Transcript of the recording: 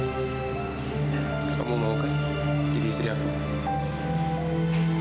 kamu mau nolak gini istri aku